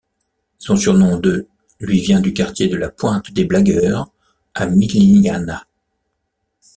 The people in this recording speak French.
Son surnom de lui vient du quartier de la Pointe des blagueurs, à Miliana.